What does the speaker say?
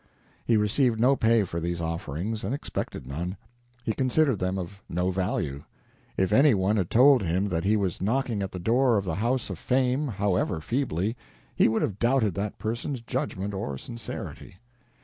He received no pay for these offerings and expected none. He considered them of no value. If any one had told him that he was knocking at the door of the house of fame, however feebly, he would have doubted that person's judgment or sincerity.